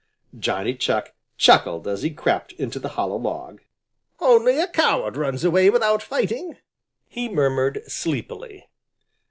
Johnny Chuck chuckled as he crept into the hollow log. "Only a coward runs away without fighting," he murmured sleepily.